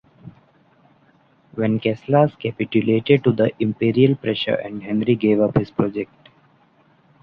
Venceslas capitulated to the Imperial pressure and Henri gave up his project.